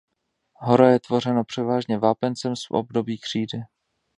Hora je tvořena převážně vápencem z období křídy.